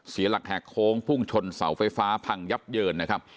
เสียหลักแหกโค้งพุ่งชนเสาไฟฟ้าพังยับเยินนะครับ